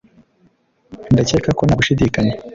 Ndakeka ko nta gushidikanya